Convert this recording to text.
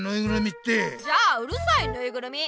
じゃあ「うるさいぬいぐるみ」。